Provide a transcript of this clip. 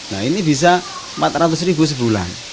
nah ini bisa empat ratus ribu sebulan